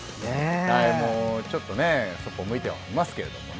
ちょっとねそっぽ向いてはいますけれどね。